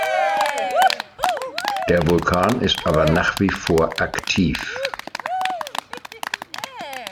Der Vulkan ist aber nach wie vor aktiv.